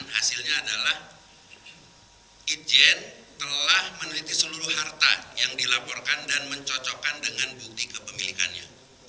dan hasilnya adalah ijet telah meneliti seluruh harta yang dilaporkan dan mencocokkan dengan bukti kepemilikannya